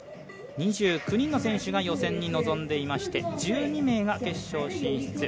２９人の選手が予選に臨んでいまして１２名が決勝進出。